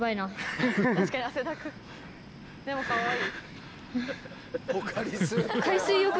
でもかわいい！